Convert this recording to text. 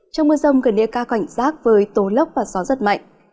trong mưa rông gần địa cao cảnh giác với tố lốc và gió rất mạnh